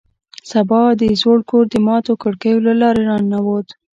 سبا د زوړ کور د ماتو کړکیو له لارې راننوت